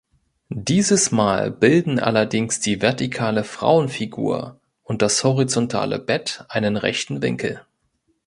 Dieses Mal bilden allerdings die vertikale Frauenfigur und das horizontale Bett einen rechten Winkel.